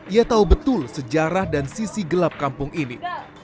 ia tahu betul sejarah dan sisi gelap kampung ini